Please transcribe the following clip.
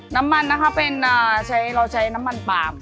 น้ำมันนะคะเป็นเราใช้น้ำมันปาล์ม